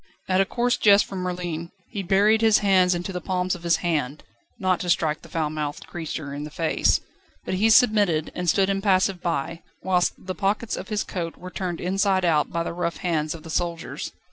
At a coarse jest from Merlin, he buried his nails into the palms of his hand, not to strike the foulmouthed creature in the face. But he submitted, and stood impassive by, whilst the pockets of his coat were turned inside out by the rough hands of the soldiers.